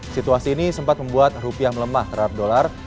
situasi ini sempat membuat rupiah melemah terhadap dolar